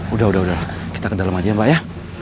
udah udah kita ke dalam aja ya mbak ya